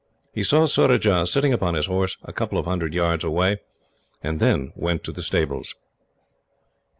He saw Surajah sitting upon his horse, a couple of hundred yards away, and then went to the stables.